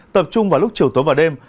tập trung vào lúc chiều tối và đêm